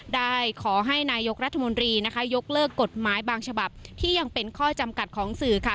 ได้ขอให้นายกรัฐมนตรีนะคะยกเลิกกฎหมายบางฉบับที่ยังเป็นข้อจำกัดของสื่อค่ะ